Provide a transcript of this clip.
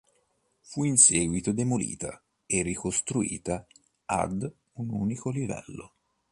Fu in seguito demolita e ricostruita ad unico livello.